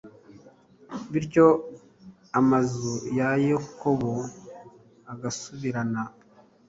bityo amazu ya yakobo agasubirana